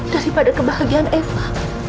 daripada kebahagiaan eva